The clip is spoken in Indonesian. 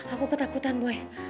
aku ketakutan boy